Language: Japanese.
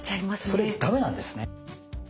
それダメなんですね。